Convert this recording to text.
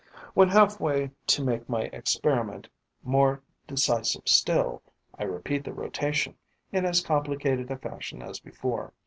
When half way, to make my experiment more decisive still, I repeat the rotation, in as complicated a fashion as before.